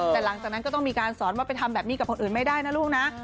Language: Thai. แต่หลังจากนั้นก็ต้องมีการสอนว่าไปทำแบบนี้กับคนอื่นไม่ได้นะลูกนะ